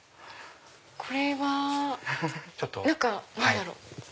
これは何だろう？